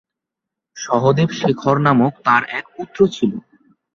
সহদেব শেখর নামক তার এক পুত্র ছিল।